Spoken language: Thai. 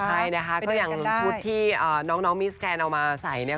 ใช่นะคะก็อย่างชุดที่น้องมิสแกนเอามาใส่เนี่ย